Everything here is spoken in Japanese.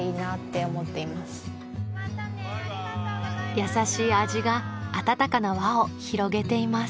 やさしい味が温かな輪を広げています